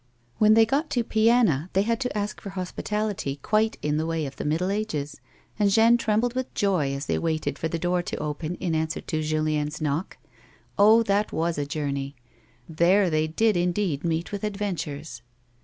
When they got to Plana they had to ask for hospitality quite in the way of the Middle Ages, and Jeanne trembled with joy as they waited for the door to open in answer to Julien's knock. Oh, that was a journey ! There they did indeed meet with adventures